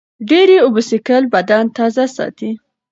ډېرې اوبه څښل بدن تازه ساتي.